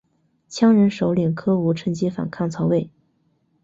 羌人首领柯吾趁机反抗曹魏。